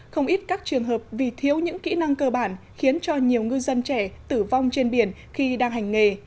không ít các trường hợp vì thiếu những kỹ năng cơ bản khiến cho nhiều ngư dân trẻ tử vong trên biển khi đang hành nghề